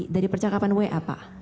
dari percakapan wa pak